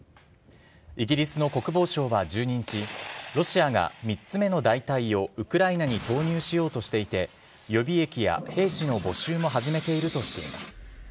イギリスの国防省は１２日、ロシアが３つ目の大隊をウクライナに投入しようとしていて、予備役や兵士の募集も始めているとしています。